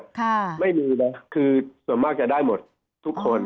ค่ะไม่มีนะคือส่วนมากจะได้หมดทุกคน